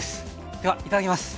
ではいただきます。